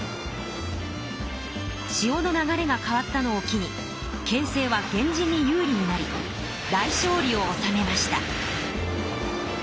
しおの流れが変わったのを機に形勢は源氏に有利になり大勝利をおさめました。